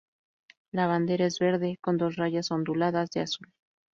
La bandera es verde, con dos rayas onduladas de azul.